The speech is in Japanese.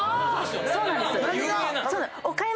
そうなんです。